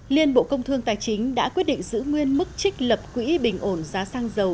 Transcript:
liên bộ công thương tài chính đã quyết định giữ nguyên mức trích lập quỹ bình ổn giá xăng dầu